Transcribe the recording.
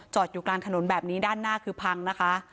อยู่กลางถนนแบบนี้ด้านหน้าคือพังนะคะ